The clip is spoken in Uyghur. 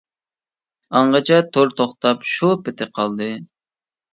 ئاڭغىچە تور توختاپ شۇ پېتى قالدى.